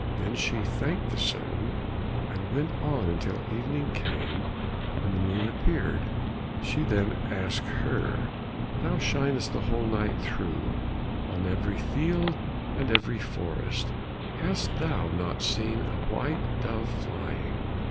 Then she thanked the sun, and went on until evening came and the moon appeared; she then asked her, "Thou shinest the whole night through, and on every field and forest, hast thou not seen a white dove flying?"